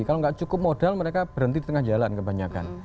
kalau nggak cukup modal mereka berhenti di tengah jalan kebanyakan